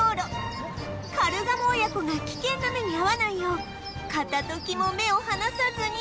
カルガモ親子が危険な目に遭わないよう片時も目を離さずに